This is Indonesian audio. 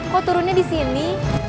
kok turunnya disini